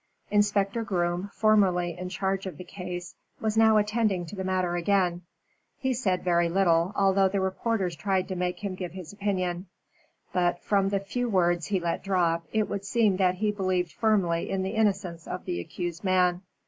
Inspector Groom, formerly in charge of the case, was now attending to the matter again. He said very little, although the reporters tried to make him give his opinion. But, from the few words he let drop, it would seem that he believed firmly in the innocence of the accused man.